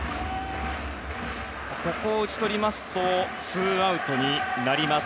ここを打ち取りますとツーアウトになります。